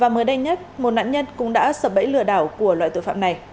và mới đây nhất một nạn nhân cũng đã sập bẫy lừa đảo của loại tội phạm này